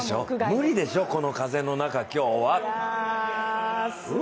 無理でしょ、今日この風の中は！